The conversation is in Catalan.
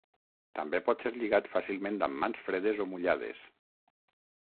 També pot ser lligat fàcilment amb mans fredes o mullades.